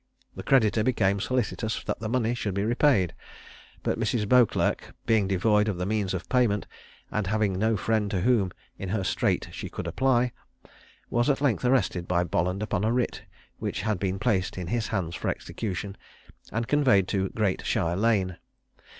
The creditor became solicitous that the money should be repaid; but Mrs. Beauclerc being devoid of the means of payment, and having no friend to whom in her strait she could apply, was at length arrested by Bolland upon a writ which had been placed in his hands for execution, and conveyed to Great Shire Lane.